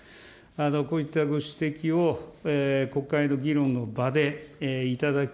こういったご指摘を国会の議論の場でいただき、